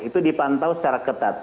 itu dipantau secara ketat